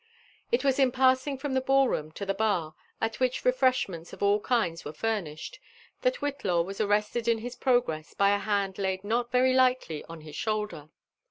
It was in passing from the ballnroom to the bar, H which refresh* tnents of all kinds were furnished, that Whiilaw was arrested in his progress by a hand laid not very lightly on hts shoulder.